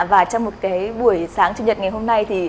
và trong một buổi sáng chung nhật ngày hôm nay